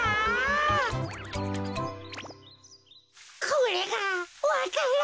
これがわか蘭。